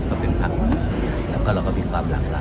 ต้องหารอภิปรัฐบาลในการลำนะครับ